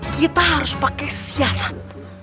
kita harus pakai siasat